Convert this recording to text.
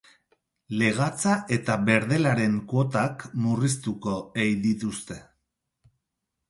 Legatza eta berdelaren kuotak murriztuko ei dituzte.